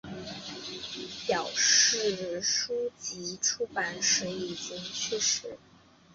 表示书籍出版时已经去世。